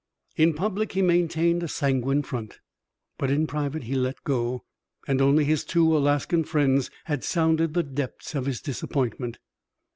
In public he maintained a sanguine front, but in private he let go, and only his two Alaskan friends had sounded the depths of his disappointment.